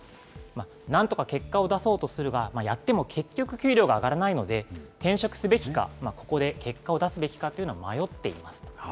なんとか結果を出そうとするが、やっても結局、給料が上がらないので、転職すべきか、ここで結果を出すべきかというのを迷っています。